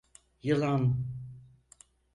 Yılan…